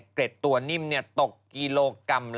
เกร็ดตัวนิ่มตกกิโลกรัมละ๔๐๐๐๐บาท